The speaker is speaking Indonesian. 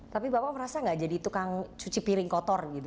tapi bapak merasa gak jadi tukang cuci piring kotor gitu